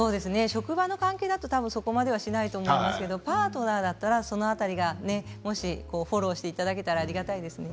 職場の関係ではそこまでしないと思うんですけれどもパートナーだったらフォローしていただけたらありがたいですね。